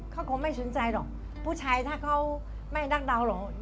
เขาคงไม่สนใจหรอกผู้ชายถ้าเขาไม่นักเดาหรอ